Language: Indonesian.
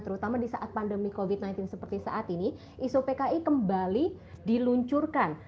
terutama di saat pandemi covid sembilan belas seperti saat ini isu pki kembali diluncurkan